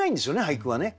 俳句はね。